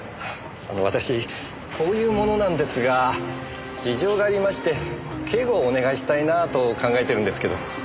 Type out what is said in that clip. あの私こういう者なんですが事情がありまして警護をお願いしたいなと考えてるんですけど。